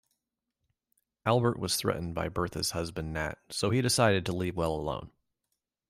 Albert was threatened by Bertha's husband Nat, so he decided to leave well alone.